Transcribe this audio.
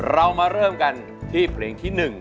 เรามาเริ่มกันที่เพลงที่๑